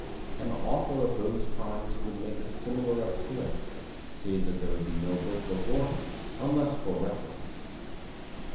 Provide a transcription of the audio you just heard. An author of those times would make a similar appearance, save that there would be no book before him, unless for reference.